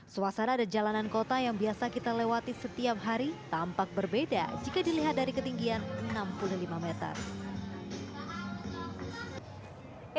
suasana dan jalanan kota yang biasa kita lewati setiap hari tampak berbeda jika dilihat dari ketinggian enam puluh lima meter